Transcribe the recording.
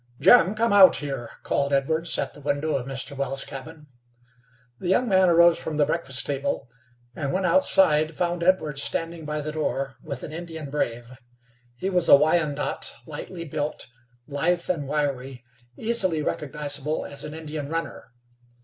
"Jim, come out here," called Edwards at the window of Mr. Wells' cabin. The young man arose from the breakfast table, and when outside found Edwards standing by the door with an Indian brave. He was a Wyandot lightly built, lithe and wiry, easily recognizable as an Indian runner.